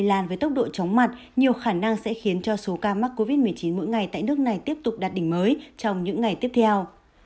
iran với tốc độ chóng mặt nhiều khả năng sẽ khiến cho số ca mắc covid một mươi chín mỗi ngày tại nước này tiếp tục đạt đỉnh mới trong những ngày tiếp theo